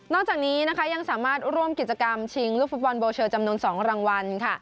จากนี้นะคะยังสามารถร่วมกิจกรรมชิงลูกฟุตบอลโบเชลจำนวน๒รางวัล